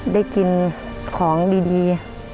ได้กินของดี